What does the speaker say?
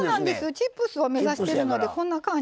チップスを目指してるのでこんな感じ。